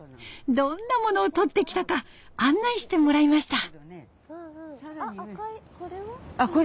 どんなものを撮ってきたか案内してもらいました。